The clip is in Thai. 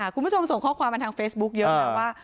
คุณผู้ชมส่งข้อความมาทางเฟซบุ๊คเยอะนะว่า